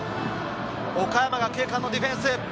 岡山学芸館のディフェンス。